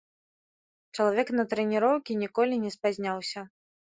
Чалавек на трэніроўкі ніколі не спазняўся.